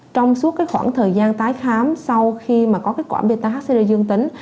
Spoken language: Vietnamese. trong suốt khoảng thời gian tái khám sau khi có kết quả beta hcre dương tính